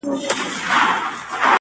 اوس په فلسفه باندي پوهېږمه,